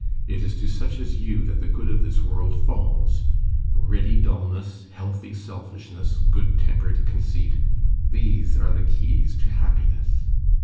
It is to such as you that the good of this world falls: ready dulness, healthy selfishness, good tempered conceit these are the keys to happiness."